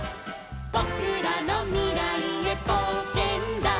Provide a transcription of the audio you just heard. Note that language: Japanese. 「ぼくらのみらいへぼうけんだ」